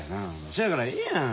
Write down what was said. せやからええやん。